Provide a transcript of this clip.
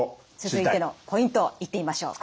続いてのポイントいってみましょう。